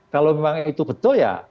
kalau memang itu betul ya